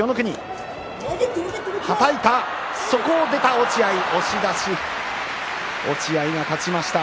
落合、押し出し落合が勝ちました。